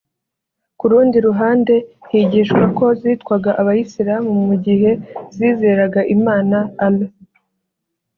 Ku rundi ruhande higishwa ko zitwaga Abayisilamu mu gihe zizeraga Imana (Allah)